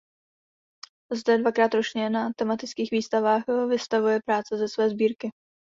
Zde dvakrát ročně na tematických výstavách vystavuje práce ze své sbírky.